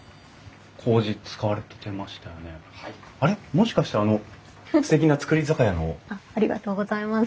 もしかしてあのすてきな造り酒屋の？ありがとうございます。